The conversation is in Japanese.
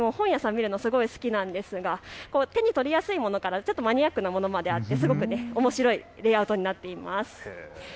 私は本屋さん見るの好きなんですが、手に取りやすいものからマニアックなものまであっておもしろいレイアウトになっています。